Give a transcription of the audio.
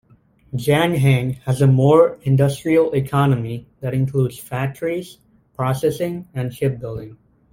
Janghang has a more industrial economy that includes factories, processing, and ship building.